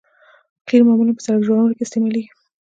قیر معمولاً په سرک جوړونه کې استعمالیږي